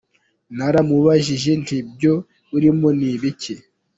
Naramubajije nti ibyo urimo ni ibiki ?